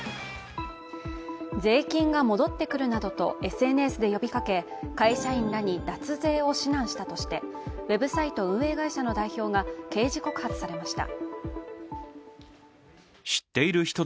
税金が戻ってくるなどとＳＮＳで呼びかけ、会社員らに脱税を指南したとしてウェブサイト運営会社の代表が刑事告発されました。